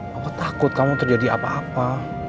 aku takut kamu terjadi apa apa